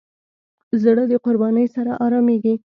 زړه د قربانۍ سره آرامېږي.